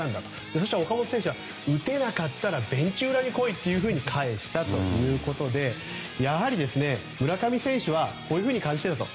そうしたら岡本選手が打てなかったらベンチ裏に来いと返したということでやはり村上選手はこういうふうに感じていたと。